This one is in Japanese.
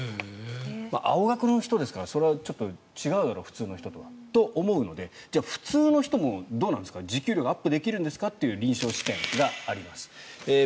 青学の人ですからそれは普通の人とは違うだろうと思うのでじゃあ、普通の人もどうなんですか持久力アップできるんですかという臨床試験があります。